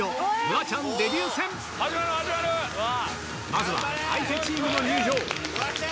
まずは相手チームの入場